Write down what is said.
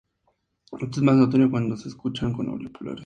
Esto es más notorio cuando se escucha con auriculares.